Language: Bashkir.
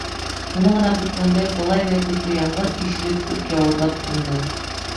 Шуны ғына көткәндәй, былай ҙа көслө ямғыр ишелеп үк яуырға тотондо.